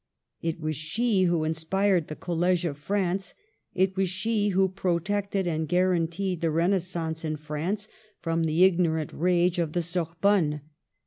It was she who inspired the College of France ; it was she who protected and guaranteed the Renaissance in France from the ignorant rage of the Sor bonne.